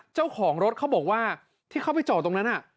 เจ้าของรถเขาบอกว่าที่เขาไปจอดตรงนั้น